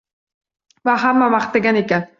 Va hamma maqtagan ekan.